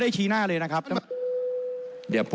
ท่านประธานก็เป็นสอสอมาหลายสมัย